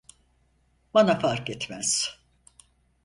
Bana fark etmez.